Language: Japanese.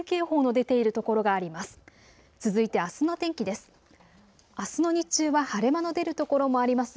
続いてあすの天気です。